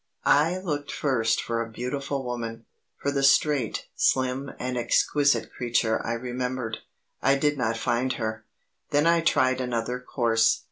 I looked first for a beautiful woman, for the straight, slim, and exquisite creature I remembered. I did not find her. Then I tried another course.